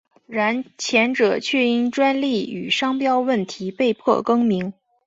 然前者却因专利与商标问题被迫更名。